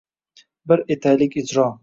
Birga etaylik ijro!